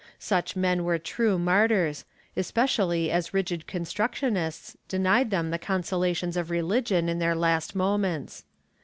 ^ Such men were true martyrs, especially as rigid constructionists denied them the consolations of religion in their last moments.